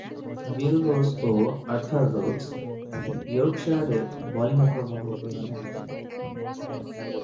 বিল Bowes ও Arthur Rhodes ইয়র্কশায়ারের bowling আক্রমণ উদ্বোধনে নামতেন।